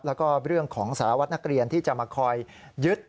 แล้วก็เรื่องของสารวัตรนักเรียนที่จะมาคอยยึด